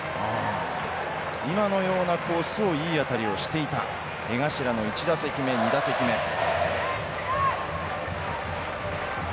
今のようなコースをいい当たりをしていた江頭の１打席目２打席目。